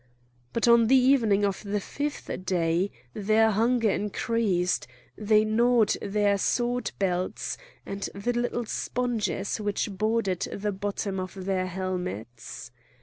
But on the evening of the fifth day their hunger increased; they gnawed their sword belts, and the little sponges which bordered the bottom of their helmets.